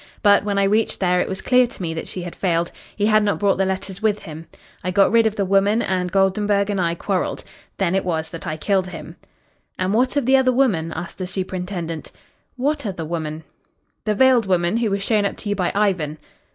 But when I reached there it was clear to me that she had failed. He had not brought the letters with him. I got rid of the woman, and Goldenburg and I quarreled. Then it was that I killed him." "And what of the other woman?" asked the superintendent. "What other woman?" "The veiled woman who was shown up to you by Ivan."